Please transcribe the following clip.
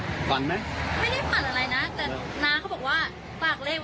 เขาโทรบอกมาเช้าว่าฝากให้เล่นหน่อย